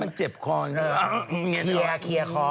มันเจ็บคออย่างนี้